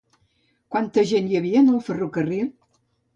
Quanta gent hi havia en el ferrocarril?